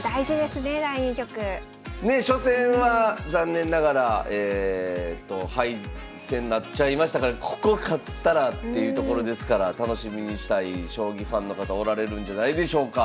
初戦は残念ながら敗戦になっちゃいましたからここ勝ったらっていうところですから楽しみにしたい将棋ファンの方おられるんじゃないでしょうか。